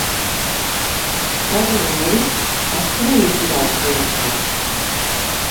Gaur egun, aldiz, azken horiek dira ortodoxoak.